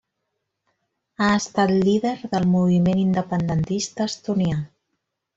Ha estat líder del moviment independentista estonià.